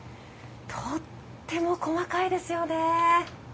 とっても細かいですよね。